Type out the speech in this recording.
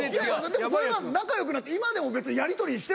でもそれは仲良くなって今でもやりとりしてますからね。